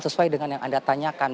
sesuai dengan yang anda tanyakan